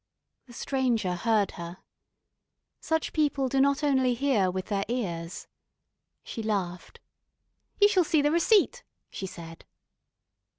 The Stranger heard her. Such people do not only hear with their ears. She laughed. "You shall see the receipt," she said.